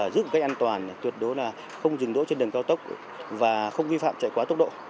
giữ một cách an toàn tuyệt đối là không dừng đỗ trên đường cao tốc và không vi phạm chạy quá tốc độ